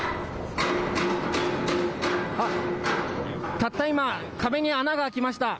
たった今、壁に穴が空きました。